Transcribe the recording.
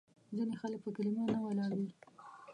ځینې خلک په کلیمه نه ولاړ وي.